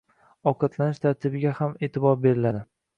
Ovqatlanish tartibiga ham e’tibor beriladi.